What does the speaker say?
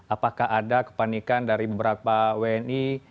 apakah ada kepanikan dari beberapa wni